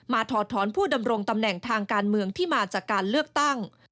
ถอดถอนผู้ดำรงตำแหน่งทางการเมืองที่มาจากการเลือกตั้ง